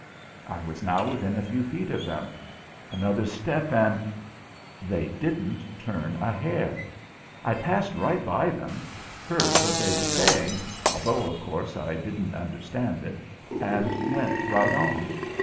I was now within a few feet of them. Another step and They didn't turn a hair! I passed right by them heard what they were saying, although, of course, I didn't understand it, and went right on.